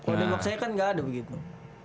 kalau demak saya kan nggak ada begitu